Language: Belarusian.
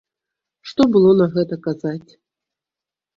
Што было на гэта казаць?